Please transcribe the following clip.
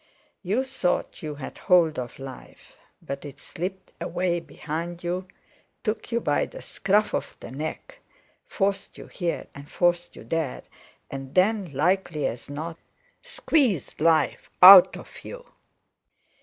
You thought you had hold of life, but it slipped away behind you, took you by the scruff of the neck, forced you here and forced you there, and then, likely as not, squeezed life out of you!